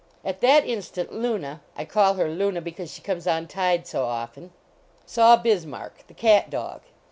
At that instant Luna I call her Luna because she comes on tied so often saw Bismarck, the cat dog.